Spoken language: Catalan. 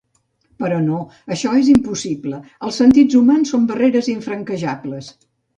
Però no, això és impossible; els sentits humans són barreres infranquejables.